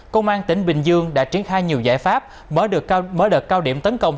công an tỉnh bình dương đã triển khai nhiều giải pháp mở đợt cao điểm tấn công